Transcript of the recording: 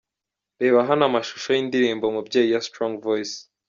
Reba hano amashusho y'indirimbo'Mubyeyi' ya Strong voice.